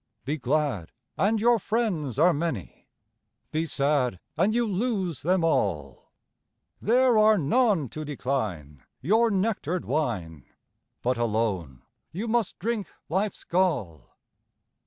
Be glad, and your friends are many; Be sad, and you lose them all; There are none to decline your nectar'd wine, But alone you must drink life's gall.